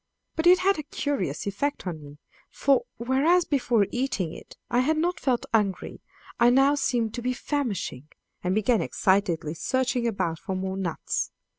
But it had a curious effect on me, for, whereas before eating it I had not felt hungry, I now seemed to be famishing, and began excitedly searching about for more nuts.